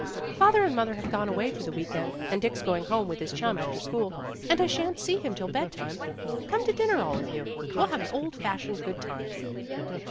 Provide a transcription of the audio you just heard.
"Father and mother have gone away for the week end, and Dick's going home with his chum after school, and I shan't see him till bed time. Come to dinner all of you. We'll have an old fashioned good time."